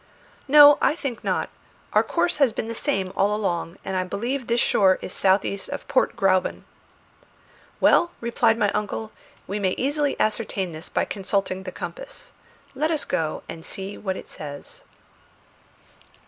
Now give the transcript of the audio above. "No, I think not. Our course has been the same all along, and I believe this shore is south east of Port Gräuben." "Well," replied my uncle, "we may easily ascertain this by consulting the compass. Let us go and see what it says."